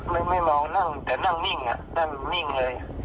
ไม่ไม่เมาแต่นั่งนิ่งอะนั่งนิ่งเลย